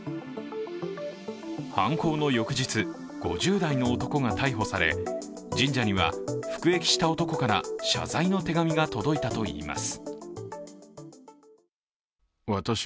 犯行の翌日、５０代の男が逮捕され神社には服役した男から謝罪の手紙が届いたといいます。